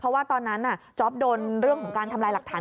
เพราะว่าตอนนั้นจ๊อปโดนเรื่องของการทำลายหลักฐาน